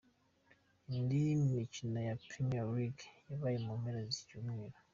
Indi mikino ya Premier League yabaye mu mpera z’iki cyumweru:.